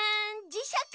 じしゃく？